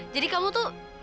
jadi kamu tuh